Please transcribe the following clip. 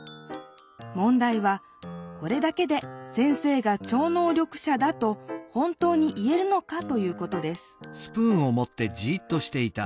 問題はこれだけで先生が超能力者だと本当に言えるのかということです